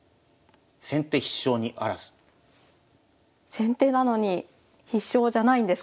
先手なのに必勝じゃないんですか？